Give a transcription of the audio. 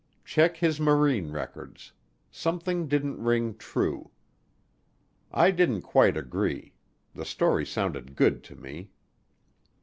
Check his Marine records; something didn't ring true. I didn't quite agree; the story sounded good to me.